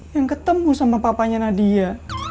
yang ketemu sama papanya nadia